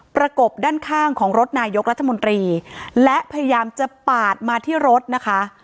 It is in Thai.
กบด้านข้างของรถนายกรัฐมนตรีและพยายามจะปาดมาที่รถนะคะ